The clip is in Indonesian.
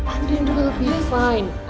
andin juga lebih baik